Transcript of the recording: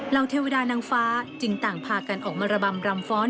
เทวดานางฟ้าจึงต่างพากันออกมาระบำรำฟ้อน